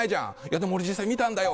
でも俺、見たんだよ。